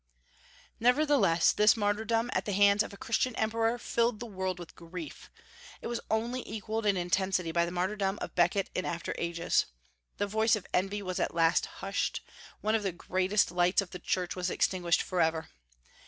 Nevertheless this martyrdom, and at the hands of a Christian emperor, filled the world with grief. It was only equalled in intensity by the martyrdom of Becket in after ages. The voice of envy was at last hushed; one of the greatest lights of the Church was extinguished forever.